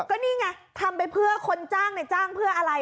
ก็นี่ไงทำไปเพื่อคนจ้างในจ้างเพื่ออะไร